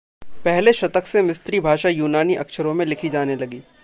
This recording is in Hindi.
पहले शतक से मिस्री भाषा यूनानी अक्षरों में लिखी जाने लगी।